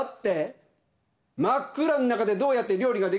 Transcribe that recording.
真っ暗ん中でどうやって料理ができるんです！？